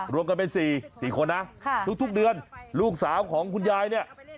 รวมกันเป็น๔คนนะทุกเดือนลูกสาวของคุณยายเนี่ย